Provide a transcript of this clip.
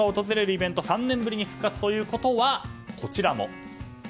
イベント３年ぶりに復活ということはこちらも。